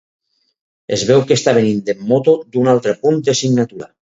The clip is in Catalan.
Es veu que està venint en moto d'un altre punt de signatura.